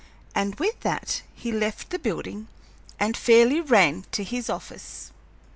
And with that he left the building and fairly ran to his office.